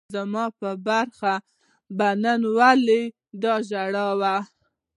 زما په برخه به نن ولي دا ژړاوای